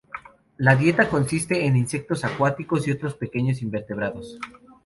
La dieta consiste en insectos acuáticos y otros pequeños invertebrados.